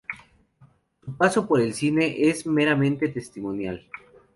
Su paso por el cine es meramente testimonial.